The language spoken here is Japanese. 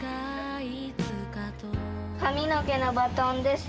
髪の毛のバトンです。